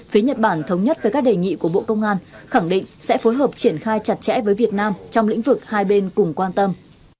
phía nhật bản thống nhất với các đề nghị của bộ công an khẳng định sẽ phối hợp triển khai chặt chẽ với việt nam trong lĩnh vực hai bên cùng quan tâm